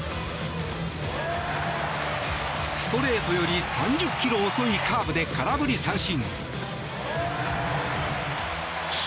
ストレートより３０ｋｍ遅いカーブで空振り三振。